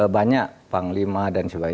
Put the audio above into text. banyak panglima dan sebagainya